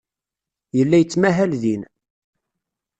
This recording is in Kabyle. Yella yettmahal din.